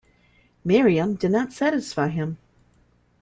Miriam did not satisfy him.